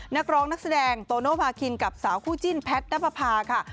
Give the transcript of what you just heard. นักร้องนักแสดงโตโนภาคินกับสาวคู่จิ้นแพทนับประพาค่ะ